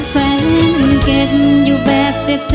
แฟนเก็บอยู่แบบเจ็บ